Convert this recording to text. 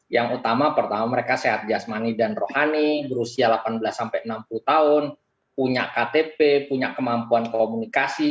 yang utama pertama mereka sehat jasmani dan rohani berusia delapan belas sampai enam puluh tahun punya ktp punya kemampuan komunikasi